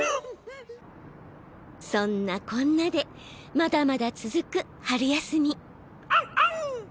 そんなこんなでまだまだ続く春休みオンオン！！